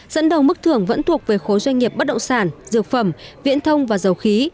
dẫn đầu mức thưởng vẫn thuộc về khối doanh nghiệp bất động sản dược phẩm viễn thông và dầu khí